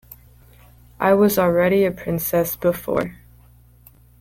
I was already a princess before.